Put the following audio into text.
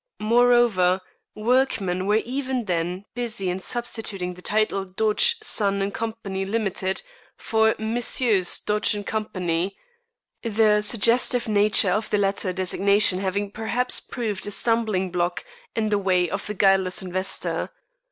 Moreover, workmen were even then busy in substituting the title "Dodge, Son & Co., Ltd.," for "Messrs. Dodge & Company," the suggestive nature of the latter designation having perhaps proved a stumbling block in the way of the guileless investor.